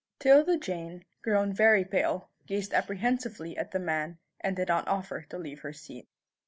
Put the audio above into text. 'Tilda Jane, grown very pale, gazed apprehensively at the man, and did not offer to leave her seat.